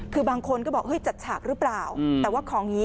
คือบางคนก็บอกเฮ้ยจัดฉากหรือเปล่าแต่ว่าของอย่างนี้